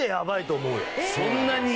そんなに？